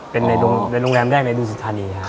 เป็นในโรงแรมแรกในดุสิทธานีครับ